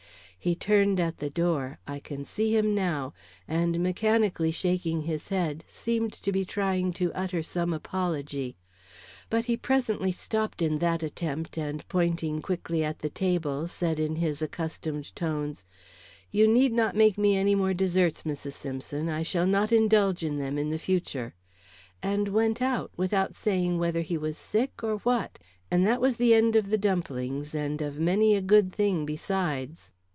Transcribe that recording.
He turned at the door I can see him now, and mechanically shaking his head, seemed to be trying to utter some apology. But he presently stopped in that attempt, and, pointing quickly at the table, said, in his accustomed tones: 'You need not make me any more desserts, Mrs. Simpson, I shall not indulge in them in the future'; and went out, without saying whether he was sick or what. And that was the end of the dumplings, and of many a good thing besides."